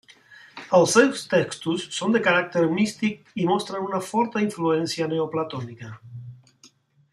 Els seus textos són de caràcter místic i mostren una forta influència neoplatònica.